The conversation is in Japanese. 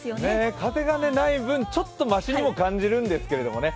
風がない分、ちょっとましにも感じるんですけどね。